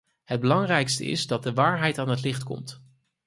Het belangrijkste is dat de waarheid aan het licht komt.